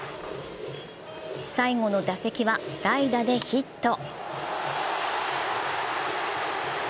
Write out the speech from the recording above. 最後の打席は代打でヒット。